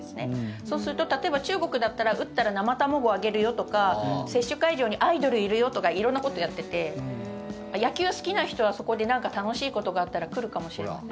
そうすると、例えば中国だったら打ったら生卵あげるよとか接種会場にアイドルいるよとか色んなことやってて野球好きな人はそこで何か楽しいことがあったら来るかもしれない。